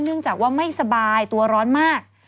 เนื่องจากว่าไม่สบายตัวร้อนมาก